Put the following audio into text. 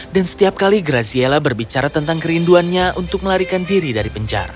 dan setiap kali graziella berbicara tentang kerinduannya untuk melarikan diri dari penjara